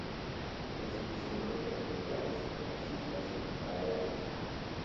Es difícil encontrar ejemplares en las islas Baleares.